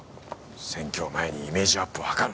選挙を前にイメージアップを図る。